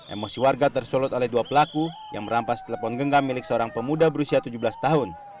emosi warga tersulut oleh dua pelaku yang merampas telepon genggam milik seorang pemuda berusia tujuh belas tahun